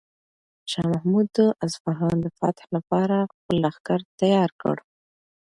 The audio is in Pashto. شاه محمود د اصفهان د فتح لپاره خپل لښکر تیار کړ.